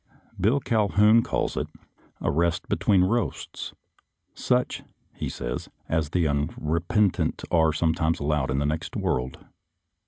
Bill Calhoun calls it " a rest between roasts "; such, he says, as the unrepentant are sometimes allowed in the next world.